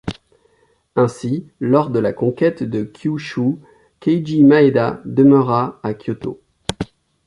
Ainsi, lors de la conquête de Kyushu, Keiji Maeda demeura à Kyoto.